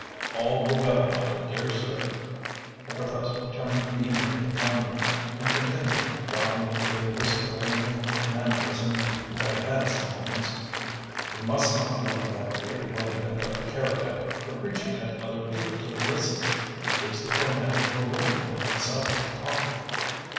"All the better, my dear sir!" The professor turned beamingly upon me and continued, dropping into a Whistlerian mannerism that he had sometimes: "You must not blame that great wind of a Keredec for preaching at other people to listen. It gives the poor man more room for himself to talk!"